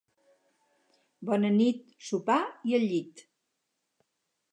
Bona nit, sopar i al llit.